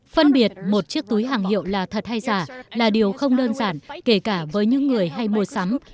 phân biệt một chiếc túi hàng hiệu là thật hay giả là điều không đơn giản kể cả với những người hay mua sắm